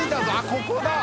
ここだ！